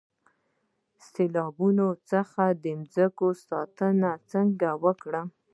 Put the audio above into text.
د سیلابونو څخه د ځمکو ساتنه څنګه وکړم؟